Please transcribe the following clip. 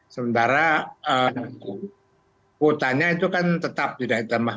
sementara kuotanya itu kan tetap tidak ditambah